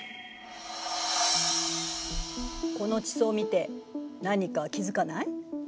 この地層を見て何か気付かない？